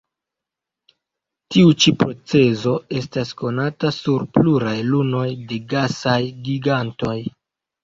Tiu ĉi procezo estas konata sur pluraj lunoj de gasaj gigantoj.